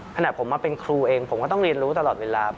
ขณะผมมาเป็นครูเองผมก็ต้องเรียนรู้ตลอดเวลา